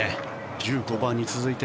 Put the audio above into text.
１５番に続いて。